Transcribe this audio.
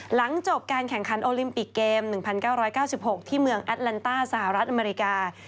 หลังจบการแข่งขันโอลิมปิกเกม๑๙๙๖ที่เมืองแอดลันต้าสหรัฐอเมริกา